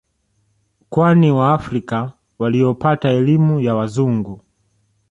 Kwani waafrika waliopata elimu ya Wazungu